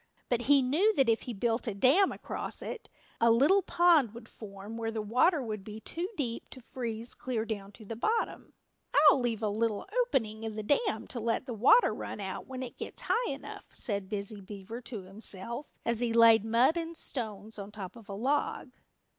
But he knew that if he built a dam across it, a little pond would form where the water would be too deep to freeze clear down to the bottom. "I'll leave a little opening in the dam to let the water run out when it gets high enough," said Busy Beaver to himself as he laid mud and stones on top of a log.